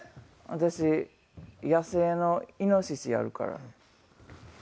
私野生のイノシシやるから。